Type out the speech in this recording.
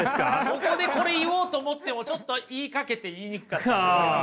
ここでこれ言おうと思ってもちょっと言いかけて言いにくかったんですけど。